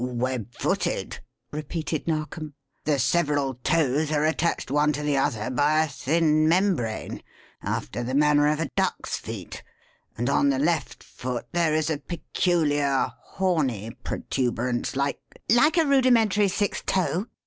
"Web footed," repeated Narkom. "The several toes are attached one to the other by a thin membrane, after the manner of a duck's feet; and on the left foot there is a peculiar horny protuberance like " "Like a rudimentary sixth toe!"